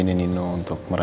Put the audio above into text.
eh pak bos